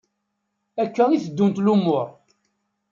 Akka i tteddunt lumuṛ.